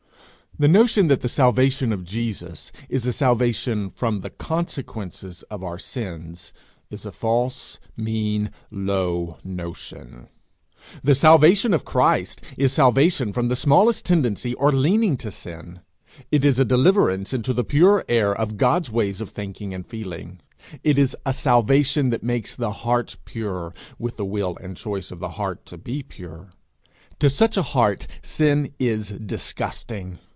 The notion that the salvation of Jesus is a salvation from the consequences of our sins, is a false, mean, low notion. The salvation of Christ is salvation from the smallest tendency or leaning to sin. It is a deliverance into the pure air of God's ways of thinking and feeling. It is a salvation that makes the heart pure, with the will and choice of the heart to be pure. To such a heart, sin is disgusting.